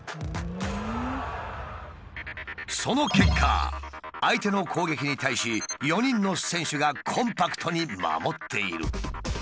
その結果相手の攻撃に対し４人の選手がコンパクトに守っている。